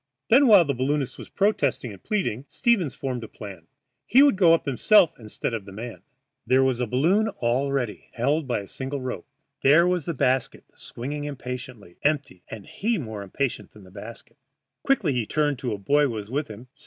Then, while the balloonist was protesting and pleading, Stevens formed his plan. He would go up himself instead of the man. There was the balloon all ready, held by a single rope. There was the basket swinging impatiently, empty, and he more impatient than the basket. Quickly he turned to a boy who was with him.